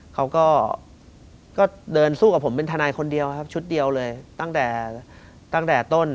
เขาก็เดินสู้กับผมเป็นทนายคนเดียวครับชุดเดียวเลยตั้งแต่ตั้งแต่ต้น